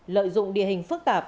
lợi dụng địa hình phức tạp